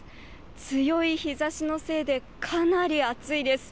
強い日ざしのせいで、かなり暑いです。